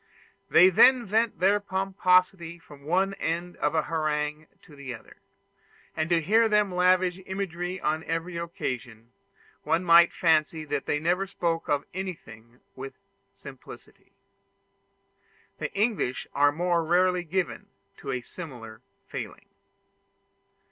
They then vent their pomposity from one end of a harangue to the other; and to hear them lavish imagery on every occasion, one might fancy that they never spoke of anything with simplicity. The English are more rarely given to a similar failing.